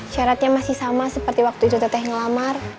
syaratnya masih sama seperti waktu itu teteh ngelamar